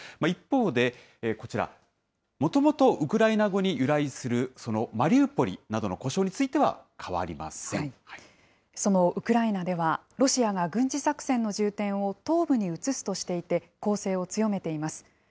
一方で、こちら、もともとウクライナ語に由来するマリウポリなどの呼称についてはそのウクライナでは、ロシアが軍事作戦の重点を東部に移すとしていて、攻勢を強めています。